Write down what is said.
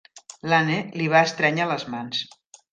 L'Anne li va estrènyer les mans.